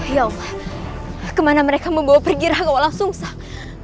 ya allah kemana mereka membawa pergi raka walau sungsang